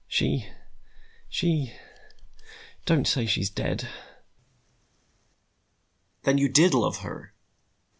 "She she don't say she's dead!" "Then you did love her!"